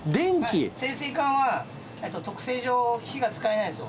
潜水艦は、特性上、火が使えないんです。